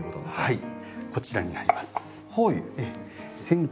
はい。